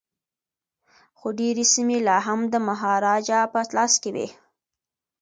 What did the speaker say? خو ډیري سیمي لا هم د مهاراجا په لاس کي وې.